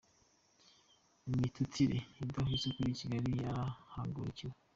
Imitutire idahwitse kuri Kigali yarahagurukiwe